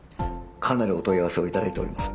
かなりお問い合わせを頂いております。